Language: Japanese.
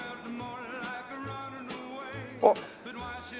あっ。